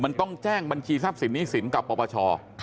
มันต้องแจ้งบัญชีทรัพย์สินหนี้สินกับปปช